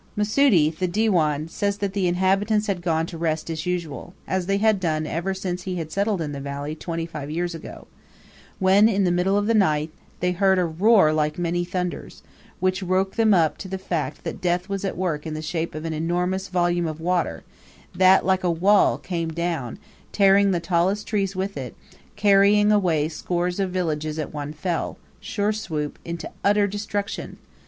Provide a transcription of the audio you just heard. Mussoudi, the Diwan, says that the inhabitants had gone to rest as usual as they had done ever since he had settled in the valley, twenty five years ago when, in the middle of the night, they heard a roar like many thunders, which woke them up to the fact that death was at work in the shape of an enormous volume of water, that, like a wall, came down, tearing the tallest trees with it, carrying away scores of villages at one fell, sure swoop into utter destruction.